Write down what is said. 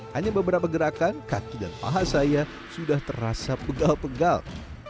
hanya beberapa gerakan kaki dan paha saya sudah terasa pegal pegal